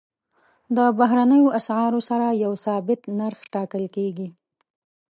د بهرنیو اسعارو سره یو ثابت نرخ ټاکل کېږي.